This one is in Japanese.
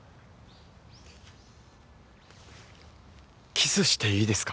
キスしていいですか？